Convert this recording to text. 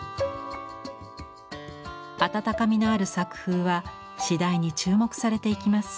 温かみのある作風は次第に注目されていきます。